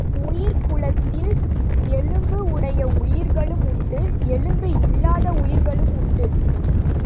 உயிர்க்குலத்தில் எலும்பு உடைய உயிர்களும் உண்டு எலும்பு இல்லாத உயிர்களும் உண்டு.